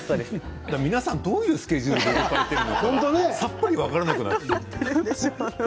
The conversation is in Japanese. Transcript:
皆さん、どういうスケジュールで撮影しているのかさっぱり分からない。